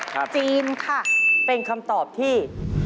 จีนค่ะเป็นคำตอบที่